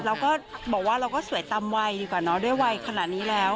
เราก็บอกว่าเราก็สวยตามวัยดีกว่าเนอะด้วยวัยขนาดนี้แล้ว